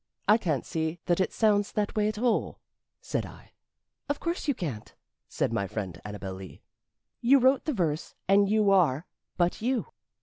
"I can't see that it sounds that way, at all," said I. "Of course you can't," said my friend Annabel Lee. "You wrote the verse, and you are but you."